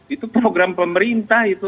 itu program pemerintah itu